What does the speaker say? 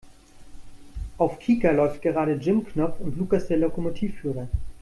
Auf Kika läuft gerade Jim Knopf und Lukas der Lokomotivführer.